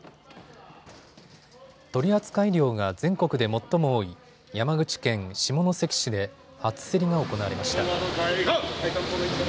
取扱量が全国で最も多い山口県下関市で初競りが行われました。